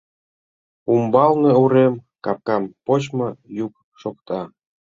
Умбалне урем капкам почмо йӱк шокта.